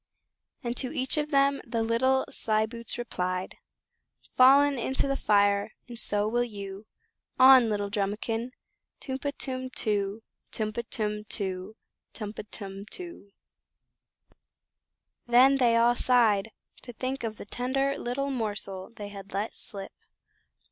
And to each of them the little slyboots replied: "Fallen into the fire, and so will you On little Drumikin. Tum pa, tum too; Tum pa, tum too; Tum pa, tum too!" Then they all sighed to think of the tender little morsel they had let slip.